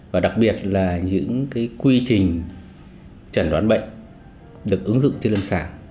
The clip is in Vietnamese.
và đặc biệt là những cái quy trình chẩn đoán bệnh được ứng dụng trên lương sản